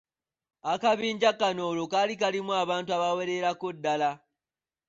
Akabinja kano olwo kaali kalimu abantu abawererako ddala.